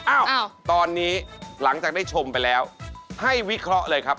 อ้าวตอนนี้หลังจากได้ชมไปแล้วให้วิเคราะห์เลยครับ